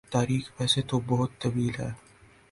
تاریخ ویسے تو بہت طویل ہے